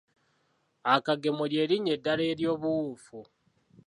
Akagemo ly'erinnya eddala ery'obuwufu.